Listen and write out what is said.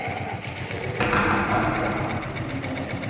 Drittens: Gas als Übergang.